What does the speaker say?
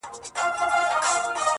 چي راسره وه لکه غر درانه درانه ملګري,